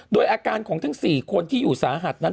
โดยอาการของทั้ง๔คนที่อยู่สาหัสนั้น